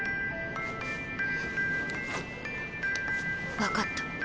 分かった。